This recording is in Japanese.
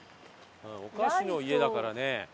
お菓子の家だからね。